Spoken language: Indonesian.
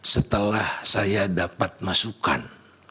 setelah saya dapat masukan